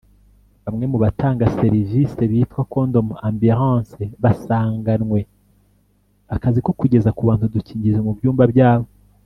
Bamwe mu batanga serivisi bitwa “condom ambulances” basanganwe akazi ko kugeza ku bantu udukingirizo mu byumba byabo